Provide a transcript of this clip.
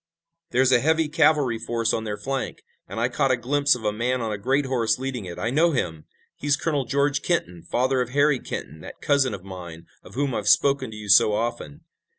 "There's a heavy cavalry force on their flank, and I caught a glimpse of a man on a great horse leading it. I know him. He's Colonel George Kenton, father of Harry Kenton, that cousin of mine, of whom I've spoken to you so often."